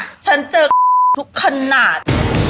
มันจะเจอกับทุกขนาด